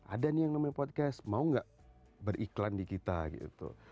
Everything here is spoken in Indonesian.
ada nih yang namanya podcast mau nggak beriklan di kita gitu